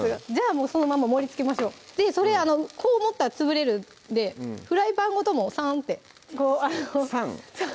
もうそのまんま盛りつけましょうでそれこう持ったら潰れるんでフライパンごともうサンって「サン」？